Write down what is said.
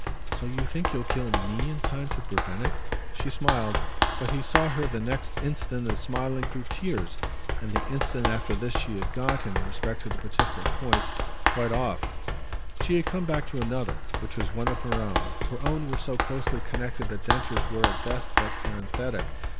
"So you think you'll kill ME in time to prevent it?" She smiled, but he saw her the next instant as smiling through tears; and the instant after this she had got, in respect to the particular point, quite off. She had come back to another, which was one of her own; her own were so closely connected that Densher's were at best but parenthetic.